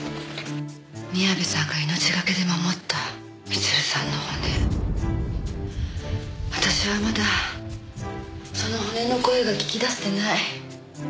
宮部さんが命懸けで守った光留さんの骨私はまだその骨の声が聞き出せてない。